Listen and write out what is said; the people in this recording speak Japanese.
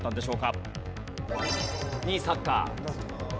２位サッカー。